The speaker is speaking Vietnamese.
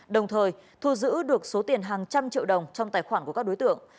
đồng thời thu giữ được số tiền hàng trăm triệu đồng trong tài khoản của các đối tượng